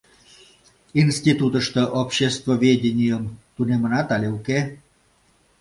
Институтышто обществоведенийым тунемынат але уке?